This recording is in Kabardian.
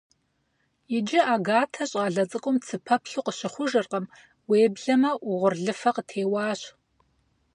Иджы Агатэ щӀалэ цӀыкӀум цыпэплъу къыщыхъужыркъым, уеблэмэ угъурлыфэ къытеуащ.